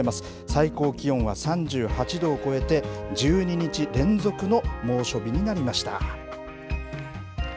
最高気温は３８度を超えて、１２日連続の猛暑日になりました。